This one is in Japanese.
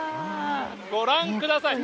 ご覧ください。